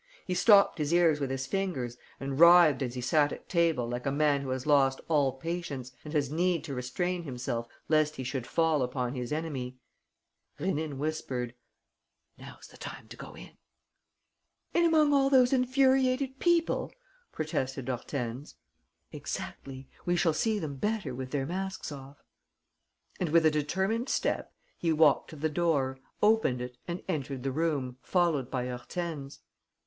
He stopped his ears with his fingers and writhed as he sat at table like a man who has lost all patience and has need to restrain himself lest he should fall upon his enemy. Rénine whispered: "Now's the time to go in." "In among all those infuriated people?" protested Hortense. "Exactly. We shall see them better with their masks off." And, with a determined step, he walked to the door, opened it and entered the room, followed by Hortense.